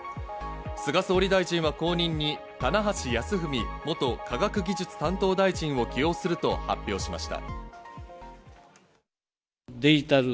菅総理大臣は後任に棚橋泰文元科学技術担当大臣を起用すると発表しました。